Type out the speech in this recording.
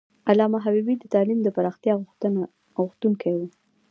علامه حبیبي د تعلیم د پراختیا غوښتونکی و.